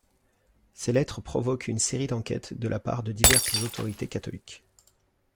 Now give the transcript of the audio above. Ces lettres provoquent une série d'enquêtes de la part de diverses autorités catholiques.